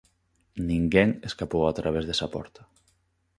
Ninguén escapou a través desa porta.